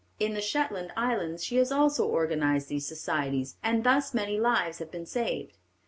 In the Shetland Islands she has also organized these societies, and thus many lives have been saved.